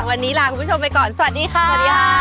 วันนี้ลาคุณผู้ชมไปก่อนสวัสดีค่ะ